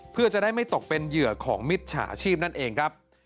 เพื่อจะได้ไม่ตกเป็นเหยื่อของมิจฉาชีพนั่นเองครับ